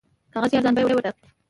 کاغذ یې ارزان بیه وټاکئ.